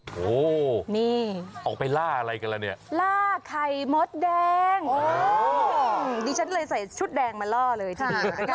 โอ้โหนี่ออกไปล่าอะไรกันแล้วเนี่ยล่าไข่มดแดงดิฉันเลยใส่ชุดแดงมาล่อเลยทีเดียวนะคะ